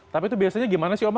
tapi itu biasanya gimana sih oma